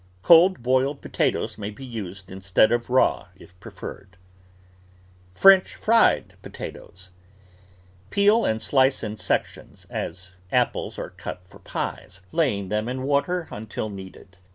Cold boiled potatoes may be used instead of raw if preferred. FRENCH FRIED POTATOES Peel and slice in sections, as apples are cut for pies, laying them in water until needed.